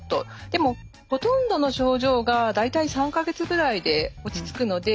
でもほとんどの症状が大体３か月ぐらいで落ち着くので。